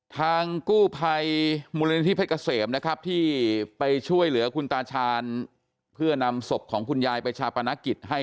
ทางกู้ภัยมูลนิธิเพชรเกษมนะครับที่ไปช่วยเหลือคุณตาชาญเพื่อนำศพของคุณยายไปชาปนกิจให้